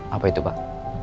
apa itu pak